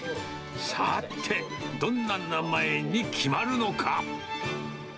さて、どんな名前に決まるのか。